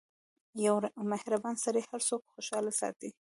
• یو مهربان سړی هر څوک خوشحال ساتي.